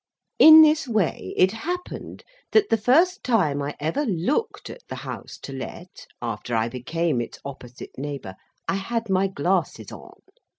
In this way it happened that the first time I ever looked at the House to Let, after I became its opposite neighbour, I had my glasses on.